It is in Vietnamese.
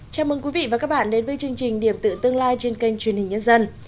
chào mừng quý vị và các bạn đến với chương trình điểm tự tương lai trên kênh truyền hình nhân dân